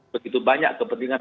begitu banyak kepentingan